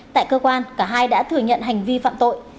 tại cơ quan cả hai đã thừa nhận hành vi phạm tội